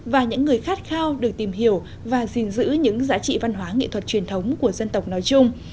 và những người khát khao được tìm hiểu và gìn giữ những giá trị văn hóa nghệ thuật truyền thống của dân tộc nói chung